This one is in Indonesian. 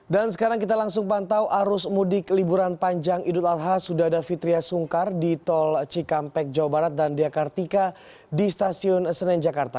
dan sekarang kita langsung pantau arus mudik liburan panjang idul adha sudadha fitriya sungkar di tol cikampek jawa barat dan diakartika di stasiun senen jakarta